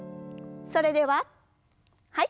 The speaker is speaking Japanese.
それでははい。